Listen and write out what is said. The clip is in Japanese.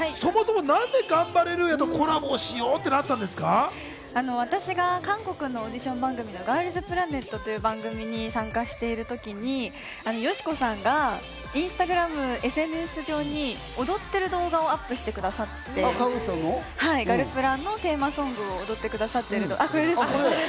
ちなみに皆さんが一番鬼門に思うのは川口さん、そもそも何でガンバレルーヤとコ私は韓国のオーディション番組の『ガールズプラネット』という番組に参加している時によしこさんがインスタグラム、ＳＮＳ上に踊ってる動画をアップしてくださって、『ガルプラ』のテーマソングを踊ってくださってる、これです。